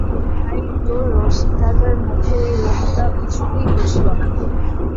ভাই, তোর রসিকদাদার মুখের ঐ রোগটা কিছুতেই ঘুচল না।